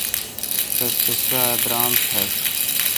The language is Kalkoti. رس تہ سوا درام پݭہ۔